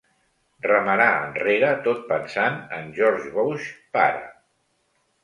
Remarà enrere tot pensant en George Bush pare.